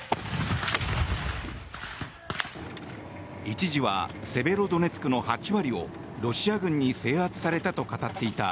一時はセベロドネツクの８割をロシア軍に制圧されたと語っていた